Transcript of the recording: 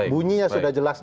bunyinya sudah jelas